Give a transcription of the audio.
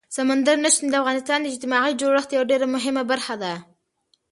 سمندر نه شتون د افغانستان د اجتماعي جوړښت یوه ډېره مهمه برخه ده.